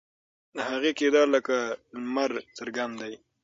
د هغې کردار لکه لمر څرګند دی.